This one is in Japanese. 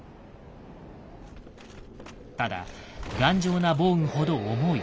ただ頑丈な防具ほど重い。